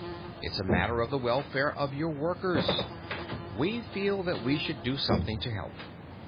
"It's a matter of the welfare of your workers. We feel that we should do something to help.